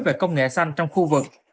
về công nghệ xanh trong khu vực